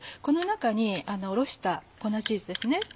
この中におろした粉チーズですね